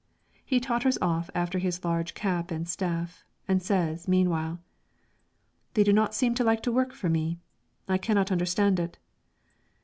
He totters off after his large cap and staff, and says, meanwhile, "They do not seem to like to work for me; I cannot understand it."